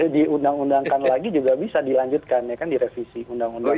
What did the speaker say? diundang undangkan lagi juga bisa dilanjutkan ya kan di revisi undang undangnya